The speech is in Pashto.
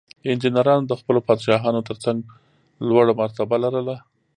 انجینرانو د خپلو پادشاهانو ترڅنګ لوړه مرتبه لرله.